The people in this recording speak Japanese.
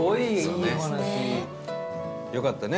よかったね。